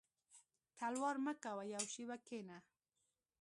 •تلوار مه کوه یو شېبه کښېنه.